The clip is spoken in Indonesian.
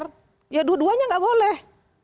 kalau mau fair ya dua duanya gak boleh